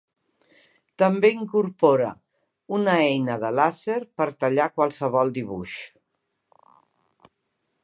També incorpora una eina de làser per tallar qualsevol dibuix.